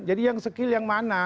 yang skill yang mana